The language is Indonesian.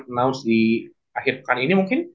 announce di akhir pekan ini mungkin